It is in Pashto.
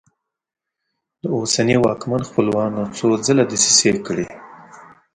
د اوسني واکمن خپلوانو څو ځله دسیسې کړي.